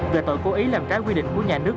về tội cố ý làm trái quy định của nhà nước